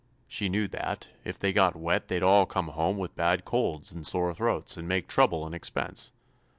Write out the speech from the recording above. She knew that, if they got wet they'd all come home with bad colds and sore throats and make trouble and expense.